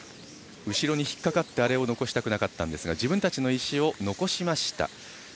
後ろに引っかかってあれを残したくなかったんですが自分たちの石を残しました。